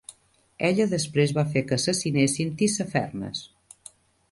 Ella després va fer que assassinessin Tissafernes.